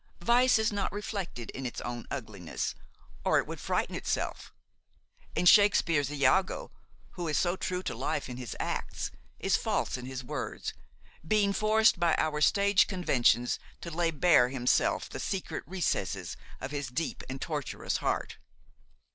Vice is not reflected in its own ugliness, or it would frighten itself; and Shakespeare's Iago, who is so true to life in his acts, is false in his words, being forced by our stage conventions to lay bare himself the secret recesses of his deep and tortuous heart.